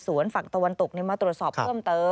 ส่วนฝั่งตะวันตกมาตรวจสอบเพิ่มเติม